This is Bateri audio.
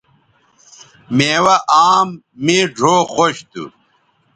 میوہ آم مے ڙھؤ خوش تھو